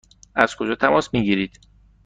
از کجا تماس می گیرید؟